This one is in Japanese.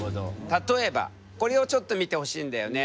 例えばこれをちょっと見てほしいんだよね。